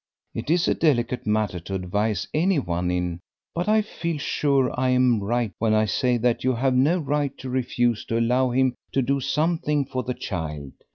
It is a delicate matter to advise anyone in, but I feel sure I am right when I say that you have no right to refuse to allow him to do something for the child.